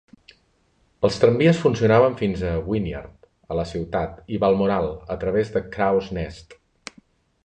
Els tramvies funcionaven fins a Wynyard, a la ciutat, i Balmoral a través de Crows Nest.